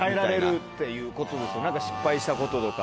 何か失敗したこととか。